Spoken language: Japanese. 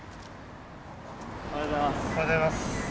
おはようございます。